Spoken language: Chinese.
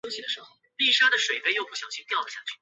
科曼奇县是位于美国俄克拉何马州西南部的一个县。